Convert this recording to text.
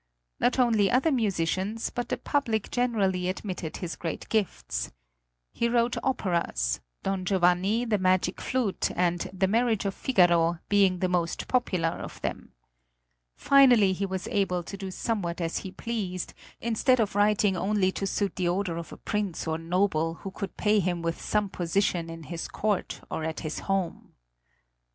Not only other musicians, but the public generally admitted his great gifts. He wrote operas, "Don Giovanni," "The Magic Flute," and "The Marriage of Figaro," being the most popular of them. Finally he was able to do somewhat as he pleased, instead of writing only to suit the order of a prince or noble who could pay him with some position in his court or at his home.